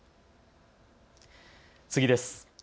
次です。